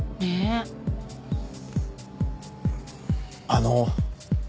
あの。